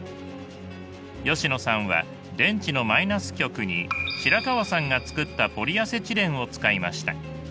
吉野さんは電池のマイナス極に白川さんが作ったポリアセチレンを使いました。